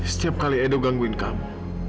setiap kali edo gangguin kamu